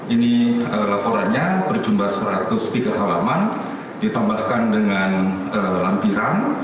ini laporannya berjumlah satu ratus tiga halaman ditambahkan dengan lampiran